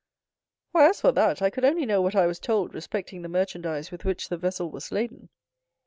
"Why, as for that, I could only know what I was told respecting the merchandise with which the vessel was laden.